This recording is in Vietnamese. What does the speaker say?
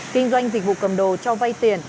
kinh doanh dịch vụ cầm đồ cho vay tiền